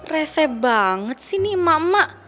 resep banget sih ini mama